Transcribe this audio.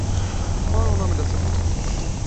Qual é nome dessa música?